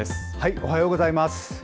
おはようございます。